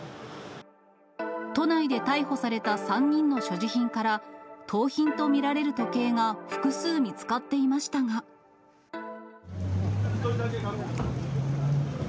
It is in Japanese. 都内で逮捕された３人の所持品から盗品と見られる時計が複数見つ１人だけ確保。